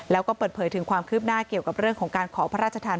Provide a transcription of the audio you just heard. แล้วก็เปิดเผยถึงความคืบหน้าเกี่ยวกับเรื่องของการขอพระราชทาน